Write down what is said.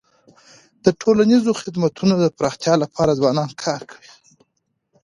د ټولنیزو خدمتونو د پراختیا لپاره ځوانان کار کوي.